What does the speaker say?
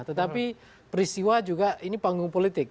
tetapi peristiwa juga ini panggung politik